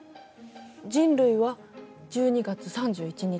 人類は１２月３１日。